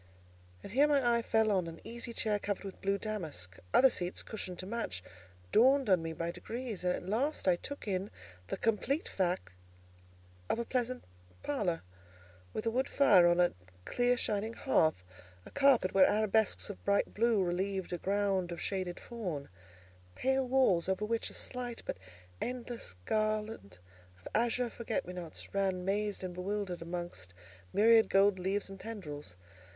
And here my eye fell on an easy chair covered with blue damask. Other seats, cushioned to match, dawned on me by degrees; and at last I took in the complete fact of a pleasant parlour, with a wood fire on a clear shining hearth, a carpet where arabesques of bright blue relieved a ground of shaded fawn; pale walls over which a slight but endless garland of azure forget me nots ran mazed and bewildered amongst myriad gold leaves and tendrils.